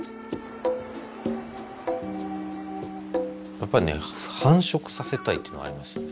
やっぱりね「繁殖させたい」というのがありますよね。